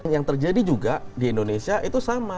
yang terjadi juga di indonesia itu sama